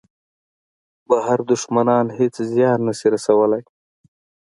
بهر دوښمنان هېڅ زیان نه شي رسولای.